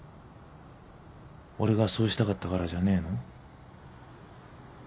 俺がそうしたかったからじゃねえの？